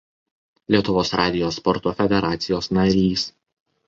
Lietuvos radijo sporto federacijos narys.